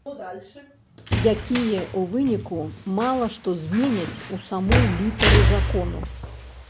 Якія, у выніку, мала што зменяць у самой літары закону.